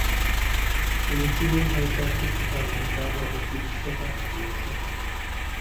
তিনি চিলির হয়ে চারটি কোপা আমেরিকা ও দুটি বিশ্বকাপ খেলেছেন।